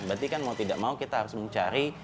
berarti kan mau tidak mau kita harus mencari